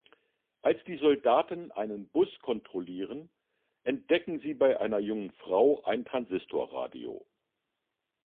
Als Soldaten einen Bus kontrollieren, entdecken sie bei einer jungen Frau ein Transistorradio.